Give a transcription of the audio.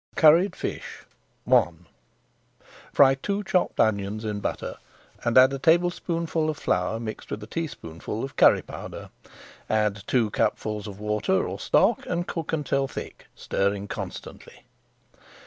CURRIED FISH I Fry two chopped onions in butter and add a tablespoonful of flour mixed with a teaspoonful of curry powder. Add two cupfuls of water or stock and cook until thick, stirring constantly.